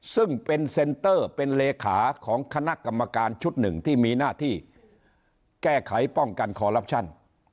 ซึ่งเป็นเซ็นเตอร์เป็นเลขาของคณะกรรมการชุดหนึ่งที่มีหน้าที่แก้ไขป้องกันคอลลับชั่น